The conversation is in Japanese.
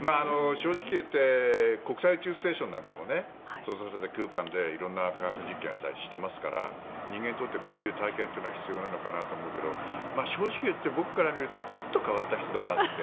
正直言うと国際宇宙ステーションも閉鎖された空間で色々な科学実験をしたりしていますから人間にとってこういう体験は必要なのかなと思うけど正直言って僕から見るとちょっと変わった人だなって。